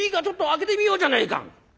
ちょっと開けてみようじゃねえか」。